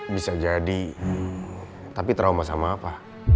bisa jadi tapi trauma sama apa